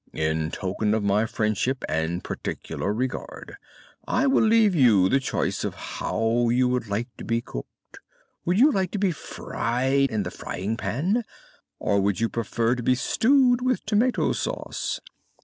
"In token of my friendship and particular regard, I will leave you the choice of how you would like to be cooked. Would you like to be fried in the frying pan, or would you prefer to be stewed with tomato sauce?"